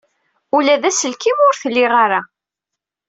Ula d aselkim ur t-liɣ ara.